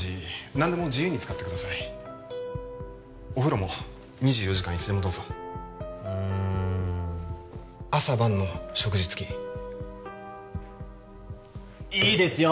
何でも自由に使ってくださいお風呂も２４時間いつでもどうぞうん朝晩の食事付きいいですよ